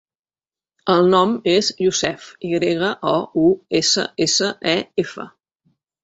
El nom és Youssef: i grega, o, u, essa, essa, e, efa.